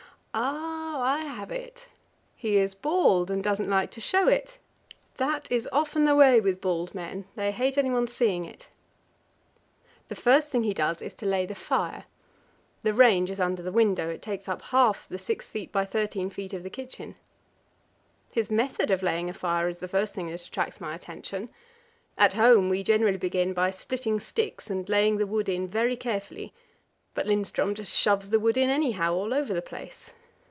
Oh, I have it! He is bald, and doesn't like to show it. That is often the way with bald men; they hate anyone seeing it. The first thing he does is to lay the fire. The range is under the window, and takes up half the 6 feet by 13 feet kitchen. His method of laying a fire is the first thing that attracts my attention. At home we generally begin by splitting sticks and laying the wood in very carefully. But Lindström just shoves the wood in anyhow, all over the place.